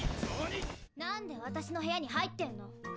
なんで私の部屋に入ってんの？